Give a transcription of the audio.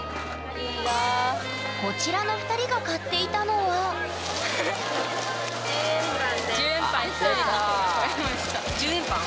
こちらの２人が買っていたのは１０円パン？